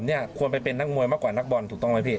ฟันศอกแบบนี้ควรไปเป็นนักมวยมากกว่านักบอลถูกต้องไหมพี่